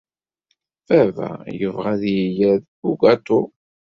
Baba yebɣa ad iyi-yerr d abugaṭu.